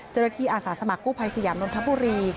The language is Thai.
เจ้าหน้าที่อาสาสมกุภัยสยามนนทบุรี